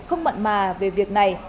không mận mà về việc này